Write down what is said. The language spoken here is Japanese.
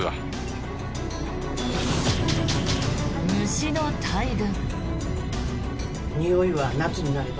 虫の大群。